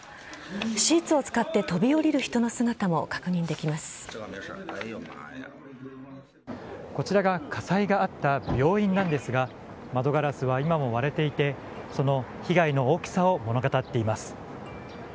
シーツを使って飛び降りる人のこちらが火災があった病院なんですが窓ガラスは今も割れていてその被害の大きさを物語っています。